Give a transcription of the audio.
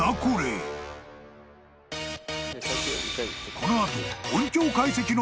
［この後］